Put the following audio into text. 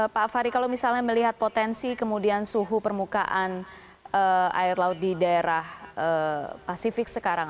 pak fahri kalau misalnya melihat potensi kemudian suhu permukaan air laut di daerah pasifik sekarang